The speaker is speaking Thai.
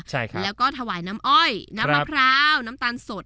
ใช่ครับแล้วก็ถวายน้ำอ้อยน้ำมะพร้าวน้ำตาลสด